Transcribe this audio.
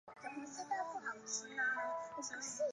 首府尼古拉耶夫。